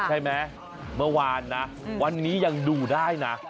ใช่ไหมเมื่อวานนะวันนี้ยังดูได้นะ